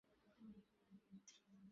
তুমি অতিরিক্ত পরিশ্রম করবে না।